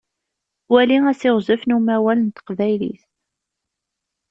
Wali asiɣzef n umawal n teqbaylit.